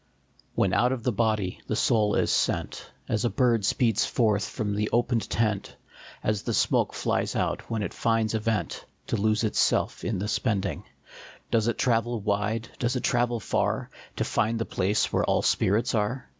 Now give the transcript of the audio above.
HEN out of the body the soul is sent, As a bird speeds forth from the opened tent, As the smoke flies out when it finds a vent, To lose itself in the spending, Does it travel wide, does it travel far, To find the place where all spirits are?